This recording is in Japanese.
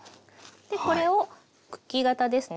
これをクッキー型ですね。